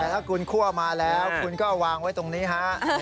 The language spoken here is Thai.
ฝนคั่วมาแล้วคุณก็วางไว้ตรงนี้ฮะ